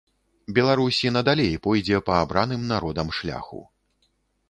Беларусь і надалей пойдзе па абраным народам шляху.